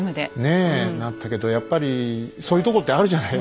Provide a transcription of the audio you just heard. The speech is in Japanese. ねえなったけどやっぱりそういうとこってあるじゃない。